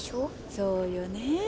そうよねえ